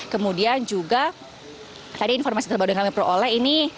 kemudian juga tadi informasi terbaru yang kami peroleh ini